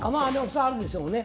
それあるでしょうね。